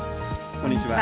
こんにちは。